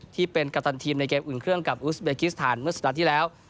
ที่เป็นกัปตันทีมในเกมอุ่นเครื่องกับอุสเบกิสถานเมื่อสัปดาห์ที่แล้ว